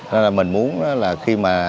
thế là mình muốn là khi mà